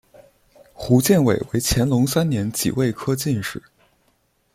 胡建伟为乾隆三年己未科进士。